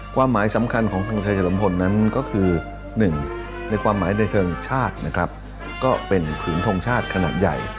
ความหมายสำคัญของทางชายเฉลิมพลนั้นก็คือหนึ่งในความหมายในเชิงชาตินะครับก็เป็นผืนทงชาติขนาดใหญ่